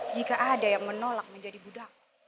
jika ada yang menolak menjadi budak